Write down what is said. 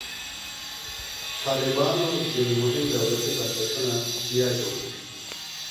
طالبانو ځینې مهم دولتي بنسټونه بیا جوړ کړي دي.